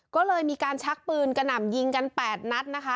ก็เลยมีการชักปืนกระหน่ำยิงกัน๘นัดนะคะ